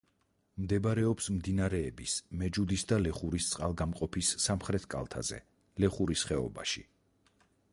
მდებარეობს მდინარეების მეჯუდის და ლეხურის წყალგამყოფის სამხრეთ კალთაზე, ლეხურის ხეობაში.